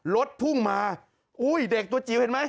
รถพุ่งมาอุ้ยเด็กตัวจิ๋วเห็นไหม